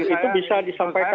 itu bisa disampaikan